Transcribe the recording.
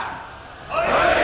はい！